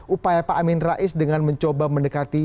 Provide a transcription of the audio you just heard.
upaya pak amin rais dengan mencoba mendekati